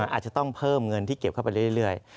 อาจจะต้องเพิ่มเงินที่เก็บเข้าไปเรื่อย